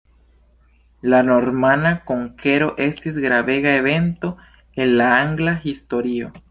La normana konkero estis gravega evento en la angla historio.